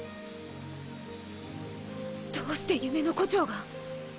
どうして夢の胡蝶が！？